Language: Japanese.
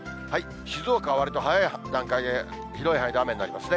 静岡はわりと早い段階で広い範囲で雨になりますね。